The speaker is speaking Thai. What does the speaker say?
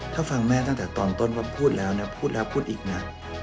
ถ้าฟังแม่ตั้งแต่ตอนต้นว่าพูดแล้วนะพูดแล้วพูดอีกนะ